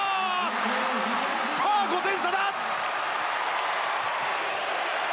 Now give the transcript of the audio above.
さあ５点差だ！